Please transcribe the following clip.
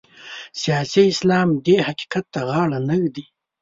سیاسي اسلام دې حقیقت ته غاړه نه ږدي.